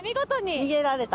逃げられた。